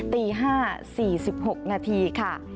ตี๕๔๖นาทีค่ะ